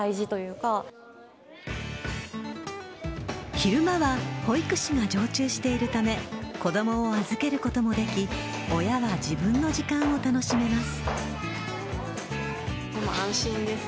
昼間は保育士が常駐しているため子供を預けることもでき親は自分の時間を楽しめます。